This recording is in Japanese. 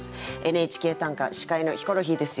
「ＮＨＫ短歌」司会のヒコロヒーです。